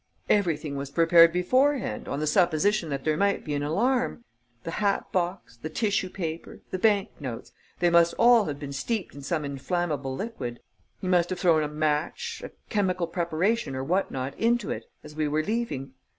"Everything was prepared beforehand on the supposition that there might be an alarm.... The hat box ... the tissue paper ... the bank notes: they must all have been steeped in some inflammable liquid. He must have thrown a match, a chemical preparation or what not into it, as we were leaving."